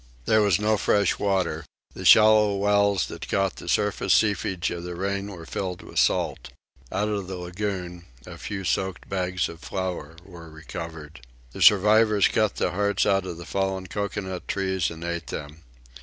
There was no fresh water. The shallow wells that caught the surface seepage of the rain were filled with salt. Out of the lagoon a few soaked bags of flour were recovered. The survivors cut the hearts out of the fallen cocoanut trees and ate them.